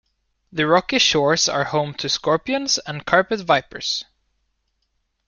The rocky shores are home to scorpions and carpet vipers.